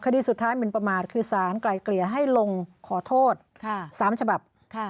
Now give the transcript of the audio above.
คดีสุดท้ายหมินประมาทคือสารไกลเกลี่ยให้ลงขอโทษ๓ฉบับ